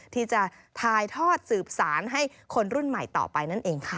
ที่จะถ่ายทอดสืบสารให้คนรุ่นใหม่ต่อไปนั่นเองค่ะ